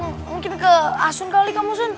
mungkin ke asun kali kamu sun